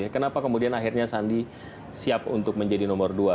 kenapa kemudian akhirnya sandi siap untuk menjadi nomor dua